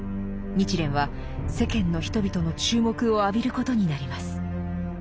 日蓮は世間の人々の注目を浴びることになります。